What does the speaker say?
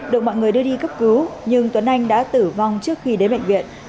được mọi người đưa đi cấp cứu nhưng tuấn anh đã tử vong trước khi đến bệnh viện